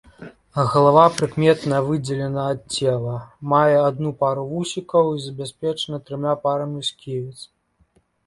Галава прыкметна выдзелена ад цела, мае адну пару вусікаў і забяспечаная трыма парамі сківіц.